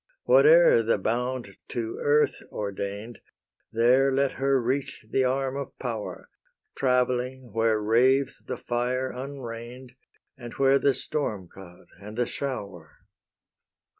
Whate'er the bound to earth ordain'd, There let her reach the arm of power, Travelling, where raves the fire unrein'd, And where the storm cloud and the shower.